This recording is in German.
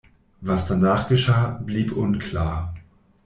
Was danach geschah, blieb unklar.